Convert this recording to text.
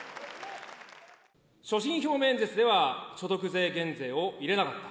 所信表明演説では、所得税減税を入れなかった。